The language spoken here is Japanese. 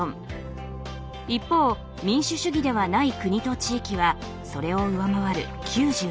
一方民主主義ではない国と地域はそれを上回る９３。